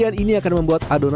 jadi perhatian here nya paraimana